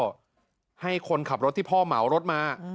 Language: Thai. ก็ให้คนขับรถที่พ่อเหมารถมา